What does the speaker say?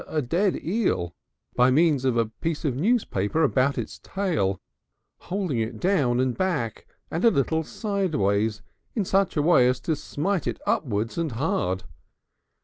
a dead eel by means of a piece of newspaper about its tail, holding it down and back and a little sideways in such a way as to smite with it upward and hard.